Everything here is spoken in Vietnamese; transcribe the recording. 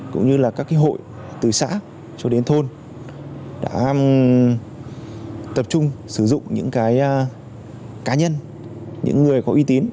cũng như là các hội từ xã cho đến thôn đã tập trung sử dụng những cá nhân những người có uy tín